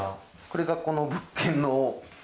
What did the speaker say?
これがこの物件の。